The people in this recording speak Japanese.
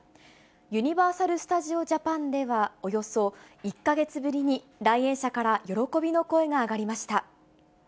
ユニバーサル・スタジオ・ジャパンではおよそ１か月ぶりに、来園者から喜びの声が上がりました。